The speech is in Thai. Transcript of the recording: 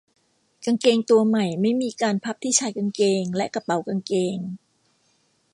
กางเกงตัวใหม่ไม่มีการพับที่ชายกางเกงและกระเป๋ากางเกง